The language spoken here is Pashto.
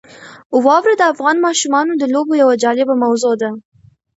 واوره د افغان ماشومانو د لوبو یوه جالبه موضوع ده.